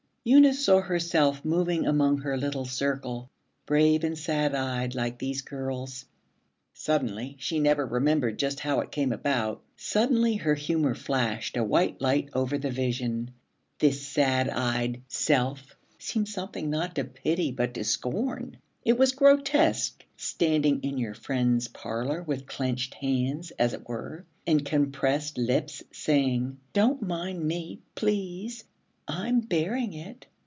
Eunice saw herself moving among her little circle, brave and sad eyed like these girls. Suddenly she never remembered just how it came about suddenly her humor flashed a white light over the vision. This sad eyed Self seemed something not to pity but to scorn. It was grotesque standing in your friend's parlor with clenched hands, as it were, and compressed lips, saying, 'Don't mind me, please. I'm bearing it.'